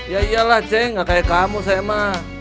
ya iyalah cik gak kayak kamu saya mas